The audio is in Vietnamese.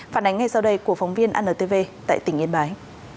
phản ánh ngay sau đây của phóng viên antv tại tỉnh yên bái